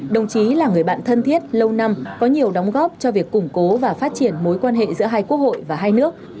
đồng chí là người bạn thân thiết lâu năm có nhiều đóng góp cho việc củng cố và phát triển mối quan hệ giữa hai quốc hội và hai nước